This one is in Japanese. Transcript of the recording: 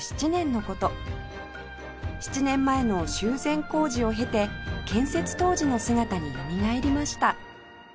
７年前の修繕工事を経て建設当時の姿によみがえりました